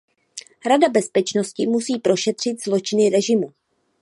Rada bezpečnosti musí prošetřit zločiny režimu.